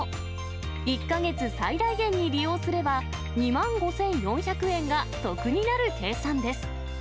１か月最大限に利用すれば、２万５４００えんが得になる計算です。